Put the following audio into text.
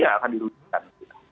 yang akan dirugikan